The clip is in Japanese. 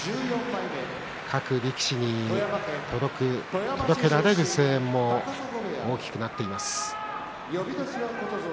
各力士に届けられる声援も大きくなっています。